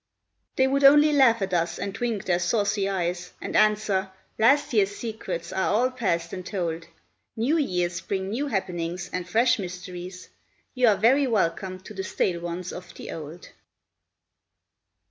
They would only laugh at us and wink their saucy eyes, And answer, "Last year's secrets are all past and told. New years bring new happenings and fresh mysteries, You are very welcome to the stale ones of the old!"